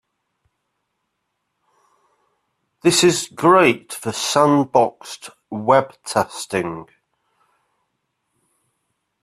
This is great for sandboxed web testing.